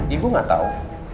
ibu gak tahu